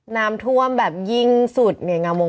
น้ำท่วมแบบยิ่งสุดเนี่ยงามง